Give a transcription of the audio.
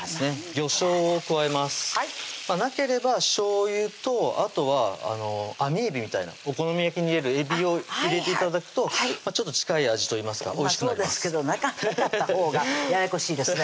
魚醤を加えますなければしょうゆとあとはあみえびみたいなお好み焼きに入れるえびを入れて頂くとちょっと近い味といいますかおいしくなりますそうですけどなかったほうがややこしいですね